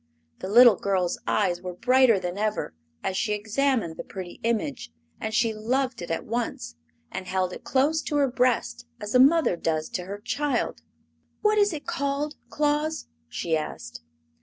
The little girl's eyes were brighter than ever as she examined the pretty image, and she loved it at once, and held it close to her breast, as a mother does to her child. "What is it called, Claus?" she asked.